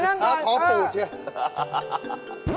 อ้าวท้องตูดเชียว